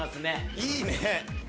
いいね！